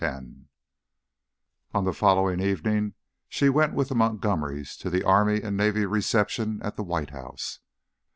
X On the following evening she went with the Montgomerys to the Army and Navy reception at the White House.